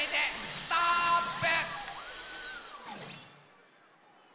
ストーップ！